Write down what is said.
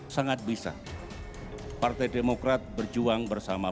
sangat bisa partai demokrat berjuang bersama